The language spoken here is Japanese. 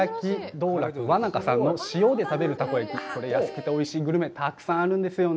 道楽わなかさんの塩で食べるたこ焼き、安くておいしいグルメがたくさんあるんですよね。